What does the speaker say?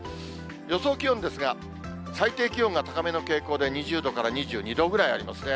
予想気温ですが、最低気温が高めの傾向で、２０度から２２度ぐらいありますね。